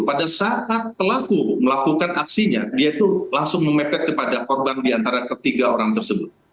pada saat pelaku melakukan aksinya dia itu langsung memepet kepada korban di antara ketiga orang tersebut